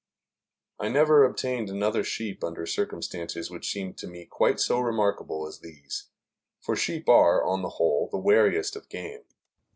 I never obtained another sheep under circumstances which seemed to me quite so remarkable as these; for sheep are, on the whole, the wariest of game.